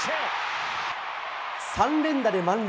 ３連打で満塁。